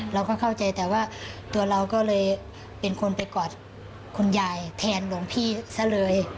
เราก็เข้าใจแต่ว่าตัวเราก็เลยเป็นคนไปกอดคุณยายแทนหลวงพี่ซะเลย